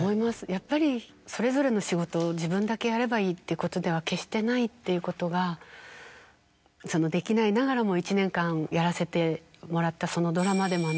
やっぱりそれぞれの仕事を自分だけやればいいっていうことでは決してないっていうことができないながらも１年間やらせてもらったその。